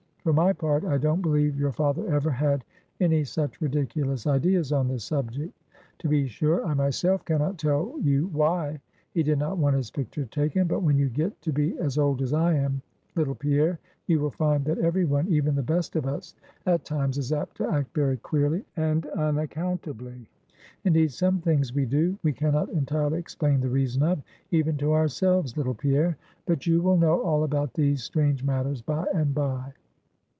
For my part, I don't believe your father ever had any such ridiculous ideas on the subject. To be sure, I myself can not tell you why he did not want his picture taken; but when you get to be as old as I am, little Pierre, you will find that every one, even the best of us, at times, is apt to act very queerly and unaccountably; indeed some things we do, we can not entirely explain the reason of, even to ourselves, little Pierre. But you will know all about these strange matters by and by."